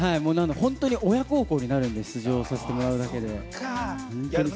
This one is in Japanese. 本当に親孝行になるので出場させてもらえるだけで。